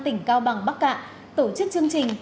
tỉnh cao bằng bắc cạn tổ chức chương trình